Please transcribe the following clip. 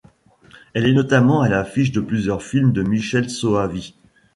Elle est notamment à l'affiche de plusieurs films de Michele Soavi.